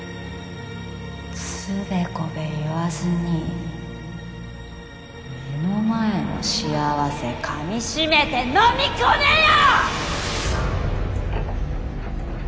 つべこべ言わずに目の前の幸せかみしめて飲み込めよ！